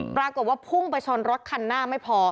ปรากฏว่าพุ่งไปชนรถคันหน้าไม่พอ